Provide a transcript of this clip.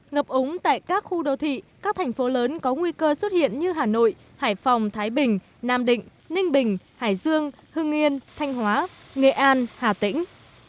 ngập úng tại các khu đô thị các thành phố lớn có nguy cơ xuất hiện như hà nội hải phòng thái bình nam định ninh bình hải dương hưng yên thanh hóa nghệ an hà tĩnh